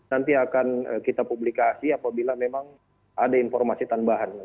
nanti akan kita publikasi apabila memang ada informasi tambahan